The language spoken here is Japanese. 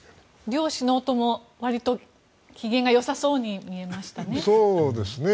両首脳ともわりと機嫌がよさそうに見えましたね。